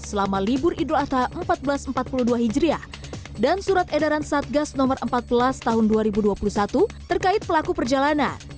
selama libur idul adha seribu empat ratus empat puluh dua hijriah dan surat edaran satgas no empat belas tahun dua ribu dua puluh satu terkait pelaku perjalanan